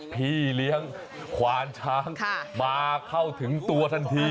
พี่เลี้ยงควานช้างมาเข้าถึงตัวทันที